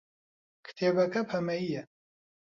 کتێبەکە پەمەیییە.